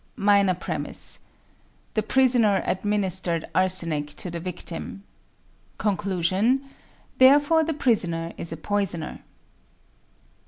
MINOR PREMISE: The prisoner administered arsenic to the victim. CONCLUSION: Therefore the prisoner is a poisoner.